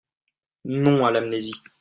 Non à l’amnésie